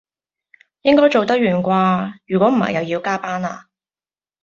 應該做得完掛，如果唔係又要加班啦